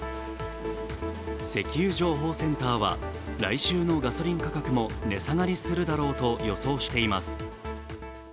石油情報センターは、来週のガソリン価格も値下がりするだろうと予想しています。